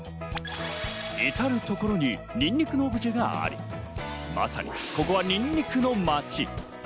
至る所にニンニクのオブジェがあり、まさにここはニンニクの町。